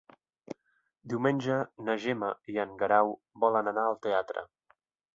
Diumenge na Gemma i en Guerau volen anar al teatre.